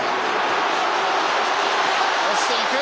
押していく！